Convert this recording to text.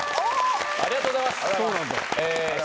ありがとうございます。